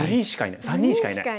今３人しかいない。